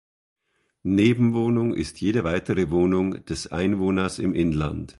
Nebenwohnung ist jede weitere Wohnung des Einwohners im Inland.